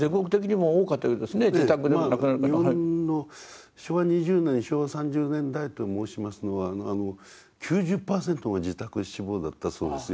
日本の昭和２０年昭和３０年代と申しますのは９０％が自宅死亡だったそうですよ。